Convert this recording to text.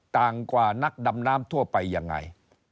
ต่างกว่านักดำน้ำทั่วไปยังไง